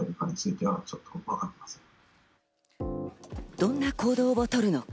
どんな行動を取るのか。